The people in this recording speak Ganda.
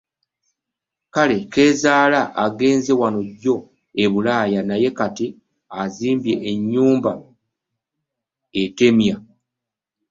Kale Keezaala agenze wano jjo e bulaaya naye kati azimbye ennyumba etemya!